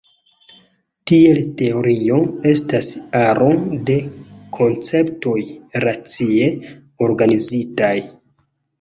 Tiel teorio estas aro de konceptoj racie organizitaj.